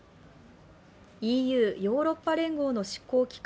ＥＵ＝ヨーロッパ連合の執行機関